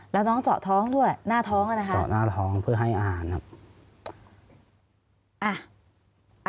แล้วน้องเจาะท้องด้วยหน้าท้องอ่ะนะคะเจาะหน้าท้องเพื่อให้อาหารครับ